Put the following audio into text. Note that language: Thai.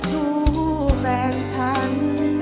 ชูแฟนฉัน